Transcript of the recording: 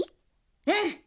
うん！